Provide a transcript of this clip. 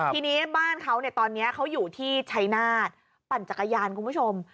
ทีนี้บ้านเขาเนี่ยตอนนี้เขาอยู่ที่ชัยนาฏปั่นจักรยานคุณผู้ชม